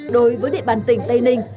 đối với địa bàn tỉnh tây ninh